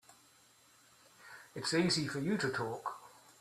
It's easy for you to talk.